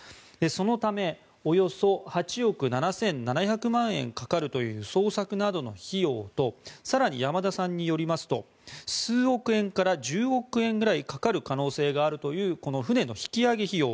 そのため、およそ８億７７００万円かかるという捜索などの費用と更に、山田さんによりますと数億円から１０億円ぐらいかかる可能性があるというこの船の引き揚げ費用